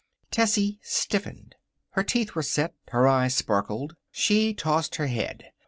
Tessie stiffened. Her teeth were set, her eyes sparkled. She tossed her head.